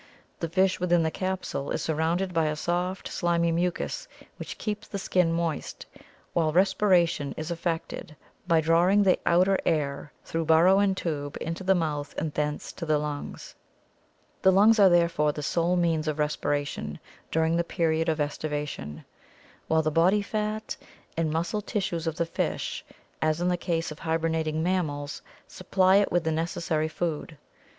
The fish within the capsule is surrounded by a soft slimy mucus which keeps the skin moist, while respiration is effected by drawing the outer air through bur row and tube into the mouth and thence to the lungs. The lungs are, therefore, the sole means of respiration during the period of aestivation, while the body fat and muscle tissues of the fish, as in the case of hibernating mammals, supply it with the necessary food.